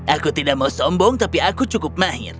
aku tidak mau sombong tapi aku cukup mahir